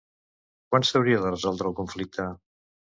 Quan s'hauria de resoldre el conflicte?